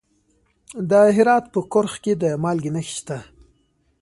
د هرات په کرخ کې د مالګې نښې شته.